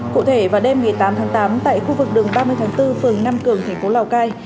cụ thể vào đêm một mươi tám tháng tám tại khu vực đường ba mươi tháng bốn phường nam cường tp lào cai